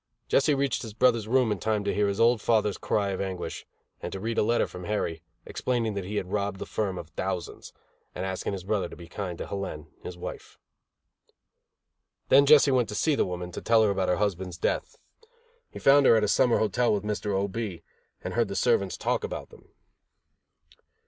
Jesse reached his brother's room in time to hear his old father's cry of anguish and to read a letter from Harry, explaining that he had robbed the firm of thousands, and asking his brother to be kind to Helene, his wife. Then Jesse went to see the woman, to tell her about her husband's death. He found her at a summer hotel with Mr. O. B., and heard the servants talk about them.